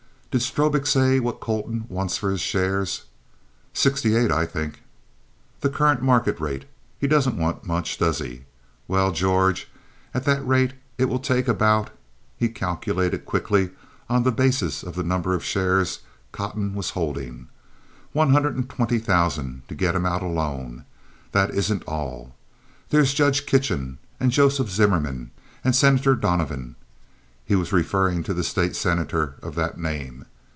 "Did Strobik say what Colton wants for his shares?" "Sixty eight, I think." "The current market rate. He doesn't want much, does he? Well, George, at that rate it will take about"—he calculated quickly on the basis of the number of shares Cotton was holding—"one hundred and twenty thousand to get him out alone. That isn't all. There's Judge Kitchen and Joseph Zimmerman and Senator Donovan"—he was referring to the State senator of that name.